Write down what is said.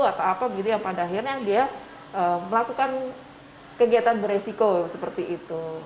atau apa gitu yang pada akhirnya dia melakukan kegiatan beresiko seperti itu